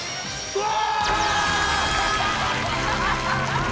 うわ！